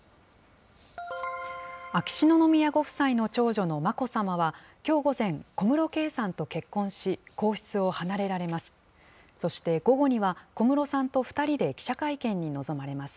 秋篠宮ご夫妻の長女の眞子さまは、きょう午前、小室圭さんと結婚し、皇室を離れられます。